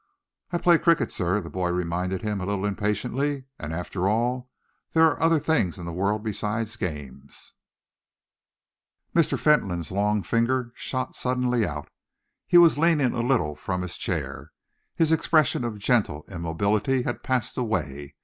"I play cricket, sir," the boy reminded him, a little impatiently, "and, after all, there are other things in the world besides games." Mr. Fentolin's long finger shot suddenly out. He was leaning a little from his chair. His expression of gentle immobility had passed away.